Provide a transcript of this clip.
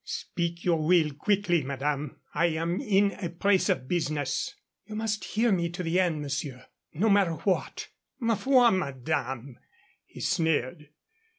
"Speak your will quickly, madame. I am in a press of business." "You must hear me to the end, monsieur. No matter what " "Ma foi, madame," he sneered.